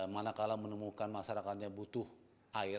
manakala menemukan masyarakat yang butuh air